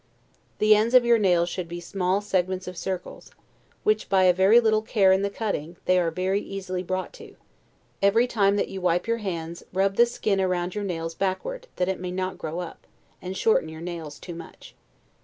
The ends of your nails should be small segments of circles, which, by a very little care in the cutting, they are very easily brought to; every time that you wipe your hands, rub the skin round your nails backward, that it may not grow up, and shorten your nails too much.